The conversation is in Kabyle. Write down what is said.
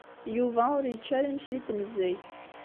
Yuba ur yečči ara imekli n tnezzayt.